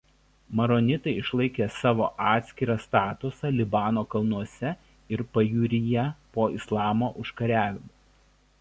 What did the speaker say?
Maronitai išlaikė savo atskirą statusą Libano kalnuose ir pajūryje po Islamo užkariavimų.